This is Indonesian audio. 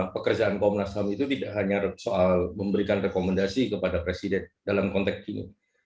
pekerjaan komnas ham itu tidak hanya soal memberikan rekomendasi kepada presiden dalam konteks ini